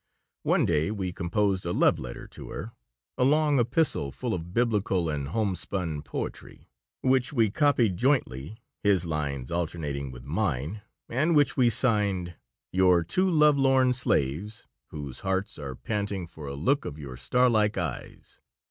One day we composed a love letter to her, a long epistle full of Biblical and homespun poetry, which we copied jointly, his lines alternating with mine, and which we signed: "Your two lovelorn slaves whose hearts are panting for a look of your star like eyes.